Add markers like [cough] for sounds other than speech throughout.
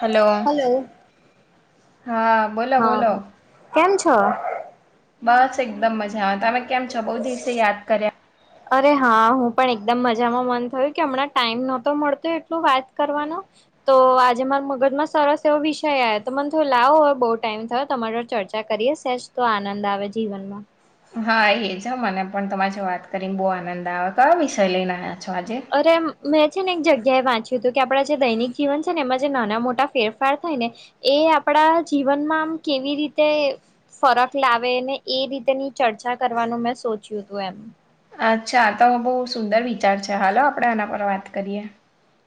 Hello, હા. બોલો હા બોલો હંમ, કેમ છો? બસ એકદમ મજા આ તમે કેમ છો? બહુ દિવસે યાદ કર્યા. અરે હા હું પણ એકદમ મજામાં મન થયું કે હમણાં ટાઈમ નહી મળતો એટલો વાત કરવાનો. તો આજે મારી મગજમાં સરસ એવો વિષય આવ્યો તો મન થયું લાવો હોય બહુ ટાઈમ થયો તમાર ચર્ચા કરીએ છે જ તો આનંદ આવે જીવનમાં. હા એ જ મને પણ તમારી સાથે વાત કરીને બહું આનંદ આવે કયો વિષય લઈને આવ્યા છો આજે? અરે મેં છે ને એક જગ્યાએ વાંચ્યું હતું કે આપણા જે દૈનિક જીવન છેને એમાં જે નાના-મોટા ફેરફાર થાય ને એ આપણા જીવનમાં આમ કેવી રીતે ફરક લાવે ને એ રીતેની ચર્ચા કરવાનું મેં સોચ્યુ હતુ એમ. અચ્છા તો બહુ સુંદર વિચાર છે. ચાલો આપણે આના પર વાત કરીએ.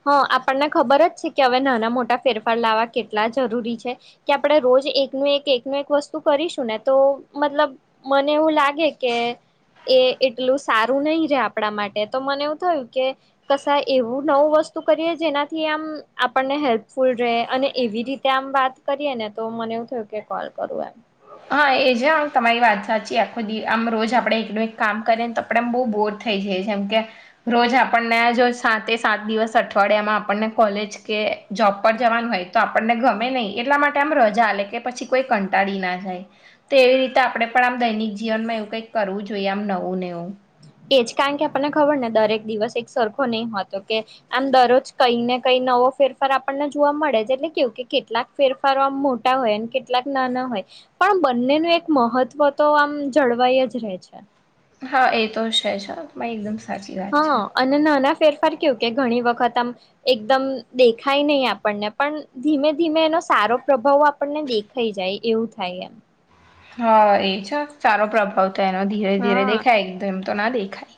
હા, આપણને ખબર જ છેકે હવે નાના-મોટા ફેરફાર લાવા કેટલા જરૂરી છે. કે આપણે રોજ એકનું એક એકનું એક વસ્તુ કરીશું ને તો મતલબ મને એવું લાગે કે એ એટલું સારું નહી રહે આપણા માટે તો મને એવું થયું કે કશું એવું નવું વસ્તુ કરીએ જેનાથી આમ આપણને હેલ્પફુલ રહે અને એવી રીતે આમ વાત કરીએને તો મને એવું થયું કે કોલ કરું એમ. હા એજ હા તમારી વાત સાચી આખો દિવસ આમ રોજ આપણે એકનું એક કામ કર્યે ને તો આપણે આમ બહુ બોર થઈ જાઈએ છે જેમ કે રોજ આપણને જો સાતે-સાત દિવસ અઠવાડિયામાં આપણને કોલેજ કે જોબ પર જવાનું હોય તો આપણને ગમે નહી એટલા માટે આમ રજા આલે કે પછી કોઈ કંટાળી ના જાય. તે એવી રીતે આપણે પણ આમ દૈનિક જીવનમાં એવું કંઈક કરવું જોઈએ આમ નવું ને એવું એજ કારણ કે આપણને ખબરને દરેક દિવસ એક સરખો નઈ હોતો કે આમ દરરોજ કઈ ને કઈ નવો ફેરફાર આપણને જોવા મળે જ એટલે કેવું કે કેટલાક ફેરફારો આમ મોટા હોય અને કેટલાક નાના હોય. પણ બંનેનું એક મહત્વ તો આમ જળવાઈ જ રહેે છે. હા એતો છે જ એકદમ સાચી છે. હા અને નાના ફેરફાર કેવુ કે ઘણી વખત આમ. એકદમ દેખાય નહી આપણને પણ ધીમે-ધીમે એનો સારો પ્રભાવ આ આપણને દેખાઈ જાય એવું થાય એમ. હા એજ હા સારો પ્રભાવ થાય એનો ધીરે-ધીરે દેખાય એકદમતો ના દેખાય.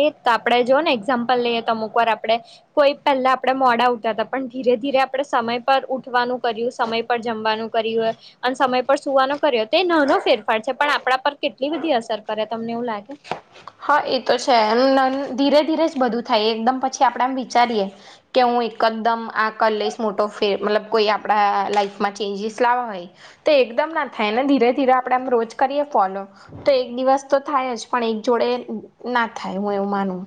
એત આપણે જોને એક્ઝામ્પલ લઈએ તો અમુક વાર આપણે કોઈ પહેલા આપણે મોડા ઊઠતા હતા પણ ધીરે-ધીરે આપણે સમય પર ઉઠવાનું કર્યું. સમય પર જમવાનું કર્યું. અને સમય પર સુવાનો કર્યો તે નાનો ફેરફાર છે પણ આપણા પર કેટલી બધી અસર કરે તમને એવું લાગે? હા એતો છે [unintelligible] ધીરે-ધીરે જ બધું થાય એકદમ પછી આપણે આમ વિચારીએ કે હું એકદમ આ કરી લઈશ મોટો ફેરફાર મતલબ કોઈ આપણા લાઈફમાં ચેન્જીસ લાવવા હોય. તો એકદમ ના થાય ને ધીરે-ધીરે આપણે આમ રોજ કરીએ ફોલો તો એક દિવસ તો થાય જ પણ એકજોડે ના થાય હું એવું માનું.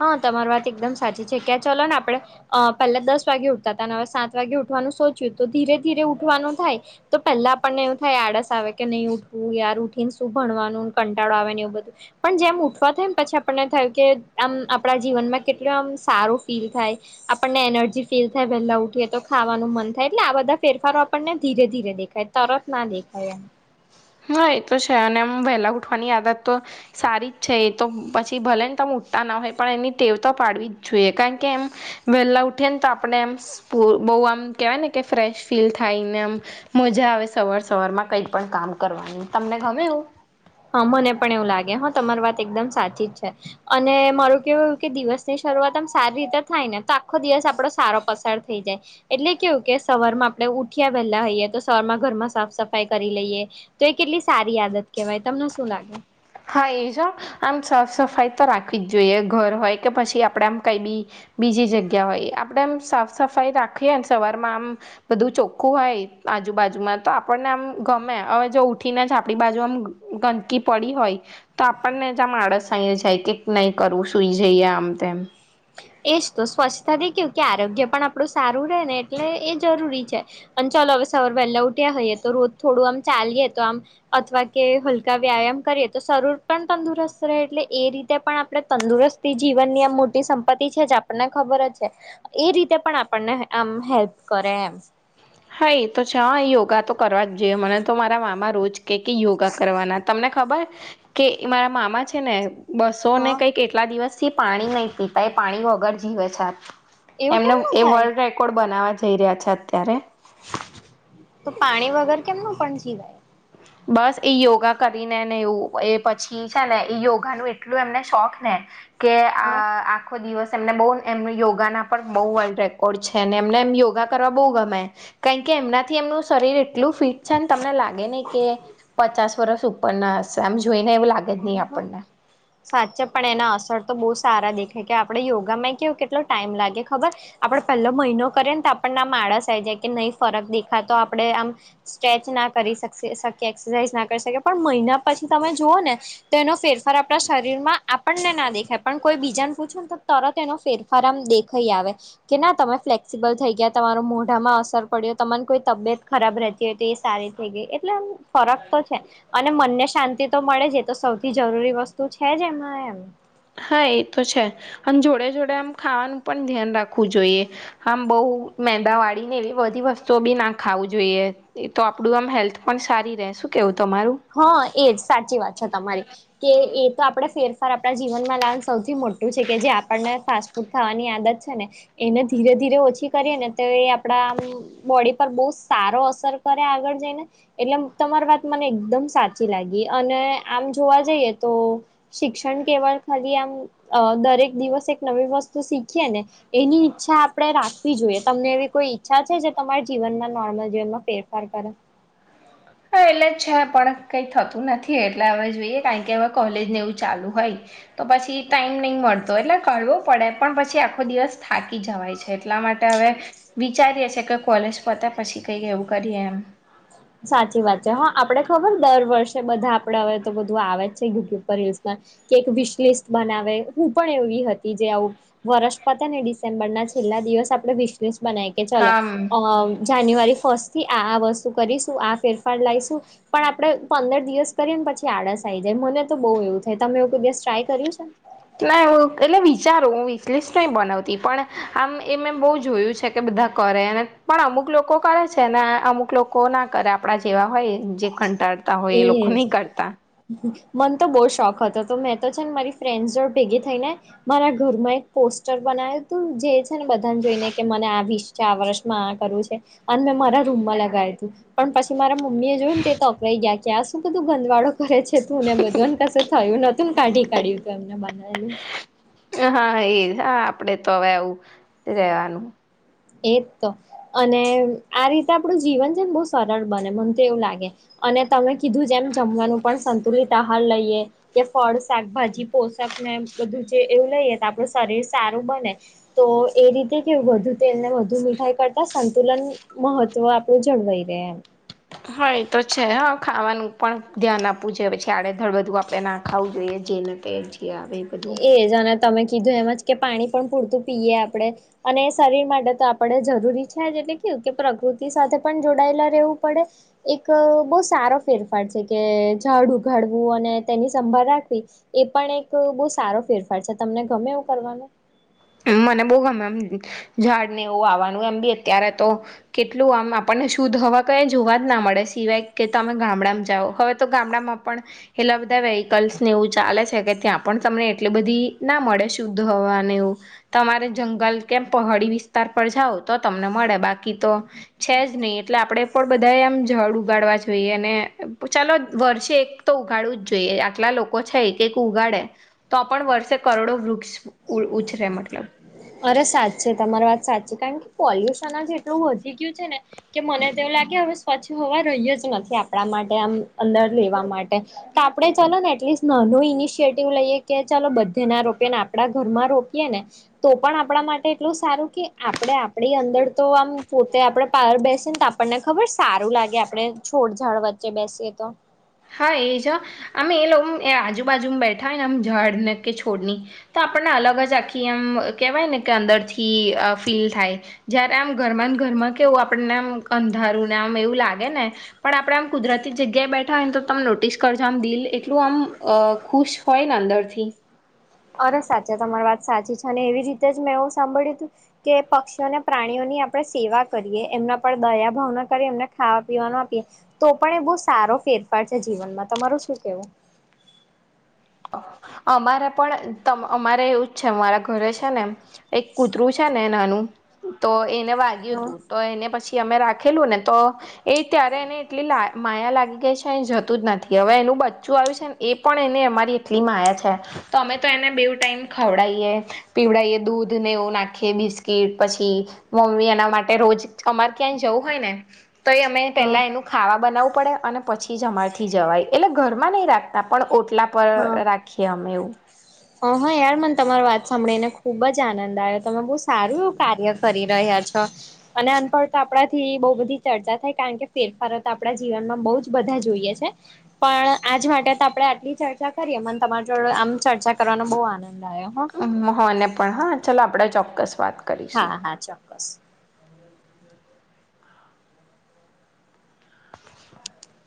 હા તમાર વાત એકદમ સાચી છે. ક્યાં ચાલો ને આપણે પહેલા દસ વાગે ઉઠતા હતા ને હવે સાત વાગે ઉઠવાનું સોચ્યું તો ધીરે-ધીરે ઉઠવાનું થાય. તો પહેલા આપણને એવું થાય આળસ આવે કે નહી ઉઠવું યાર ઉઠી ને શું ભણવાનું કંટાળો આવેન એવું બધું. પણ જેમ ઉઠવા જાય ને પછી આમ આપણને થીય કે આમ આપણા જીવનમાં કેટલું આમ સારું ફીલ થાય. આપણને એનર્જી ફીલ થાય વહેલા ઉઠીએ તો ખાવાનું મન થાય એટલે આ બધા ફેરફારો આપણને ધીરે-ધીરે દેખાય. તરત ના દેખાય એમ. હા એ તો છે અને એમ વહેલા ઉઠવાની આદત તો સારી જ છે એ તો પછી ભલે ને તમ ઉઠતા ના હોય પણ એની ટેવ તો પાડવી જ જોઈએ કારણ કે એમ વેલા ઉઠીએ ને તો આપણે એમ બઉ આમ કેવાય ને કે ફ્રેશ ફીલ થાયને એમ મજા આવે સવાર સવાર માં કઈ પણ કામ કરવાની તમને ગમે એવું હા મને પણ એવું લાગે હ તમારી વાત એકદમ સાચી જ છે અને મારું કેવું એવું કે દિવસ ની શરૂઆત સારી રીતે થાય ને તો આખો દિવસ આપડો સારો પસાર થઈ જાય એટલે કેવું કે સવાર માં આપણે ઉઠયા વહેલા હોઈએ તો સવારમાં ઘરમાં સાફ સફાઈ કરી લઈએ તો એ કેટલી સારી આદત કેવાય તમને શું લાગે હા એ જ હ આમ સાફ સફાઈ તો રાખવી જ જોઈએ ઘર હોય કે પછી આપડે આમ કંઈ બી બીજી જગ્યા હોય આપડમ સાફ સફાઈ રાખીએ ને સવાર માં આમ બધું ચોખ્ખું હોય આજુબાજુમાં તો આપણને આમ ગમે હવે જો ઉઠીને જ આપણી બાજુ આમ ગંદકી પડી હોય તો આપણને જમ આળસ આઈ જાય કે નહી કરવું સુઈ જઈએ આમ તેમ એજ તો સ્વચ્છતાથી કેવું કે આરોગ્ય પણ આપણું સારું રહે ને એટલે એ જરૂરી છે અને ચાલો અવ સવાર વેલ્લા ઉઠ્યા હઈએ તો રોજ થોડું આમ ચાલીએ તો આમ અથવા કે હલકા વ્યાયામ કરીએ તો શરૂર પણ તંદુરસ્ત રહે એટલે એ રીતે પણ આપણે તંદુરસ્ત તે જીવનની આમ મોટી સં સંપતિ છે જ આપણને ખબર જ છે એ રીતે પણ આપણને આમ હેલ્પ કરે એમ હા એ તો છે હા યોગા તો કરવા જ જોઈએ મને તો મારા મામા રોજ કે કે યોગા કરવાના તમને ખબર કે મારા મામા છે ને બસો ને હા કઈક એટલા દિવસથી પાણી નહી પીતા એ પાણી વગર જીવે છે એવું એમને કેમનું એ થાય વર્લ્ડ રેકોર્ડ બનાવવા જઈ રહ્યા છે અત્યારે તો પાણી વગર કેમનું પણ જીવાય બસ એ યોગા કરીને ને એવું એ પછી છે ને યોગા નું એટલું એમને શોખ ને કે આ હા. આ આખો દિવસ એમને બોવ એમ યોગાના પણ બહુ વર્લ્ડ રેકોર્ડ છે અને એમને એમ યોગા કરવા બહુ ગમે કારણ કે એમનાથી એમનું શરીર એટલું ફિટ છેને તમને લાગે નહી કે પચાસ વરષ ઉપર ના હશે આમ જોઈને એવું લાગ હમ હા સાચા પણ એના અસર તો બહુ સારા દેખાય કે આપડે યોગામાં કેવો કેટલો ટાઈમ લાગે ખબર આપડે પહેલો મહિનો કરીએને તો આપણને આળસ આ જાય કે નહીં ફરક દેખાતો આપડે આમ સ્ટ્રેચ ના કરી શકશે-શકે એક્સરસાઇઝ ના કરી શકે પણ મહિના પછી તમે જુઓ ને તો એનો ફેરફાર આપણા શરીર માં આપણને ના દેખાય પણ કોઈ બીજાને પૂછું ને તો તરત એનો ફેરફાર આમ દેખઈ આવે કે ના તમે ફ્લેક્સિબલ થઈ ગયા તમારો મોઢામાં અસર પડ્યો તમારી કોઈ તબિયત ખરાબ રહેતી કે તે સારી થઈ ગઈ એટલે આમ ફરક તો છે અને મનને શાંતિ તો મળે જ એતો સૌથી જરૂરી વસ્તુ છે જ એમાં એમ હા એ તો છે અને જોડે જોડે આમ ખાવાનું પણ ધ્યાન રાખવું જોઈએ આમ બઉ મેંદા વાળી ને એવી બધી વસ્તુઓ બી ના ખાવું જોઈએ એ તો આપડું આમ હેલ્થ પણ સારી રે શું કેવું તમારું હા એજ સાચી વાત છે તમારી કે એ તો આપડે ફેરફાર આપડા જીવનમાં લાવ સૌથી મોટું છે કે જે આપણને ફાસ્ટ ખાવાની આદત છે ને ધીરે ધીરે ઓછી કરીએ ને તો એ આપડા આમ બોડી પર બોઉ સારો અસર કરે આગળ જઈને એટલે તમારી વાત મને એકદમ સાચી લાગી અને આમ જોવા જઈએ તો શિક્ષણ કેવળ ખાલી આમ અ દરેક દિવસ એક નવી વસ્તુ શીખીએ ને એની ઈચ્છા આપડે રાખવી જોઈએ તમને એવી કોઈ ઈચ્છા છે જે તમારા જીવનમાં નોર્મલ જીવનમાં ફેરફાર કરે તો એટલે જ છે પણ કંઈ થતું નથી એટલે હવે જોઈએ કારણ કે હવે કોલેજને એવું ચાલુ હોય, તો પછી ટાઈમ નહી મળતો એટલે કરવો પડે પણ પછી આખો દિવસ થાકી જવાય છે. એટલા માટે હવે વિચારીએ છે કે કોલેજ પોતે પછી કઈ એવું કરીએ એમ સાચી વાત છે હા આપડે ખબર દર વર્ષે બધા આપડે હવે તો બધું આવે જ છે યુટ્યુબ પર યુઝમા કે એક વિશ લિસ્ટ બનાવે હું પણ એવી હતી જે આવું વરસ પતે ને ડિસેમ્બરના છેલ્લા દિવસ આપડે વિસ લિસ્ટ બનાવી કે ચલો હા ના અ જાન્યુઆરી ફર્સ્ટથી આ આ વસ્તુ કરીશું આ ફેરફાર લાઈશું પણ આપડે પંદર દિવસ કરીએ ને પછી આળસ થઈ જાય મને તો બહુ એવું થાય તમે એવુ કોઈ દિવસ ટ્રાય કર્યું છે. ના હું એટલે વિચારું હું વિષ લિસ્ટ નહીં બનાવતી પણ આમ એ મે બહુ જોયું છે. કે બધા કરે અને પણ અમુક લોકો કરે છે ને અમુક લોકો ના કરે આપણા જેવા હોય જે કંટાળતા હોય એ લોકો નહી એજ કરતા મને તો બહુ શોખ હતો તો મેં તો છે ને મારી ફ્રેન્ડસ જોડ ભેગી થઈને મારા ઘરમાં એક પોસ્ટર બનાવ્યું તું જે છે ને બધાને જોઈને કે મને આવીશ ચાર વર્ષમાં આ કરવું છે અને મેં મારા રૂમમાં લગાવી તું પણ પછી મારા મમ્મી જોયુ ને. તે તોપરાઈ ગયા કે આ શું બધું ગંધવાળો કરે છે તુંને બધુંને કસે થયું નથી કાઢી કાઢ્યું તું એમને માટે હા એજ હા આપડે તો હવે આવું રેવાનું એજ તો અને આ રીતે આપડું જીવન છે ને બહુ જ સરળ બને મને તો એવું લાગે. અને તમે કીધું જેમ જમવાનું પણ સંતુલિત આહાર લઈએ કે ફળ શાકભાજી પોશક ને બધું જે એવું લઈએ તો આપણું શરીર સારું બને. તો એ રીતે કેવું બધું તેલને વધુ મીઠાઈ કરતા સંતુલન મહત્વ આપડું જળવાઈ રહેે એમ હા એ તો છે હ ખાવાનું પણ ધ્યાન આપવું જોઈએ પછી આડેધડ બધું આપણે ના. ખાવું જોઈએ જે રીતે જે આવે એ બધું એજ અને તમે કીધું એમ જ કે પાણી પણ પૂરતું પીએ આપણે અને શરીર માટે તો આપણે જરૂરી છે જ એટલે કે કે પ્રકૃતિ સાથે પણ જોડાયેલા રહેવું પડે. એક બહુ સારો ફેરફાર છે કે જાડ ઉગાડવું અને તેની સંભાળ રાખવી. એ પણ એક બહુ સારો ફેરફાર છે તમને ગમે એવું કરવાનો. મને બહુ ગમે એમ ઝાડ ને એવું વાવવાનું એમ બી અત્યારે તો કેટલું આમ આપણને શુદ્ધ હવા કયે જોવા જ ના મળે સિવાય કે તમે ગામડામાં જાઓ હવે તો ગામડામાં પણ એટલા બધા વેહિકલ્સ ને એવું ચાલે છે કે ત્યાં પણ તમને એટલી બધી ના મળે શુદ્ધ હોવાને એવું. તમારે જંગલ કેમ પહાડી વિસ્તાર પર જાવ તો તમને મળે બાકી તો છે જ નહી એટલે આપડે પણ બધાએ આમ જાડ ઉગાડવા જોઈએ અને ચાલો વર્ષે એક તો ઉગાડવું જ જોઈએ આટલા લોકો છે એક એક ઉગાડે. તો પણ વર્ષે કરોડો વૃક્ષ ઉછરે મતલબ. અરે સાચે તમારી વાત સાચી છે કારણ કે પોલ્યુશન જ એટલું વધી ગયું છે ને. કે મને તો એવું લાગે હવે સ્વચ્છ હવા રહી જ નથી આપણા માટે આમ અંદર લેવા માટે. તો આપડે ચાલો ને એટલીસ્ટ નાનું ઇનિશિયટિવ લઈએ કે ચાલો બધા ના રોપીએ ને આપ આપડા ઘરમાં રોપીએ ને, તો પણ આપણા માટે એટલું સારું કે આપણે આપણી અંદર તો આમ પોતે આપણે પાર બેસીને તો આ આપણને ખબર સારું લાગે આપણે છોડ ઝાડ વચ્ચે બેસીએ તો, હા એજ અમે એ લોકો આજુબાજુમાં બેઠા હોઈ ને આમ ઝાડને કે છોડની તો આપણને અલગ જ આખી એમ કહેવાય ને કે અંદરથી ફીલ થાય. જયારે આમ ઘરમાંને ઘરમાં કેવું આપણને આમ અંધારું ને આમ એવું લાગે ને પણ આપણે આમ કુદરતી જગ્યાએ બેઠ તો તમે નોટિસ કરજો આમ દિલ એટલું આમ ખુશ હોય ને અંદરથી. અરે સાચા તમારી વાત સાચી છે અને એવી રીતે જ મેં એવું સાંભળ્યું હતું. કે પક્ષીઓને, પ્રાણીઓની આપણે સેવા કરીએ. એમના પર દયા ભાવના કરી, એમને ખાવા પીવાનો આપીએ. તો પણ એ બહુ સારો ફેરફાર છે જીવનમાં, તમારું શું કેવું? અમારે પણ અમારે એવું જ છે. મારા ઘરે છે ને એમ. એક કૂતરું છે ને નાનું, તો એને વાગ્યું હા હતું. તો એને પછી અમે રાખેલું ને તો એ ત્યારે એને એટલી માયા લાગી ગઈ છે જતું જ નથી. હવે, એનું બચ્ચું આવ્યું છે. એ પણ એને અમારી એટલી માયા છે તો, અમે તો એને બે ટાઈમ ખવડાવીએ. પીવડાયએ દૂધને એવું નાખીએ. બિસ્કીટ પછી મમ્મી એના માટે રોજ અમારે ક્યાંય જવું હોયને તો એ અમે હા પહેલા એનું ખાવાનુ બનાવવું પડે અને પછી જ અમારથી જવાય. એટલે ઘરમાં નહી રાખતા. પણ ઓટલા પર રાખીએ અમે એવું. [inaudible] હા હા યાર. મને તમારી વાત સાંભળીને ખુબ જ આનંદ આવ્યો. તમે બહુ સારું એવું કાર્ય કરી રહ્યા છો. અને [unintelligible] તો આપણાથી બહુ બધી ચર્ચા થાય. કારણ કે ફેરફાર તો આપણા જીવનમાં બહુ જ બધા જોઈએ છે. પણ આજ માટે તો આપણે આટલી ચચૉ કરી, મને તમારી જોડે આમ ચર્ચા કરવાનો બહુ આનંદ આવ્યો. હ મને પણ હા, ચાલો આપણે ચોક્કસ વાત કરીએ. હા હા, ચોક્કસ. [inaudible]